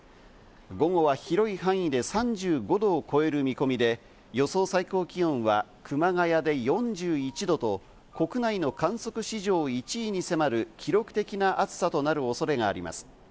午後は広い範囲で３５度を超える見込みで、予想最高気温は熊谷で４１度と国内の観測史上を１位に迫る記録的な暑さとなる恐れがあります。